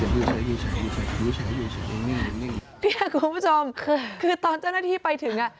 พี่ครับคุณผู้ชมคือตอนเจ้าหน้าที่ไปถึง